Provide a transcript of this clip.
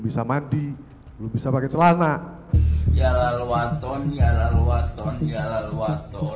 bisa mandi belum bisa pakai celana biar lalu antonia